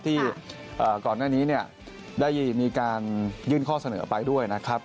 ที่ก่อนหน้านี้ได้มีการยื่นข้อเสนอไปด้วยนะครับ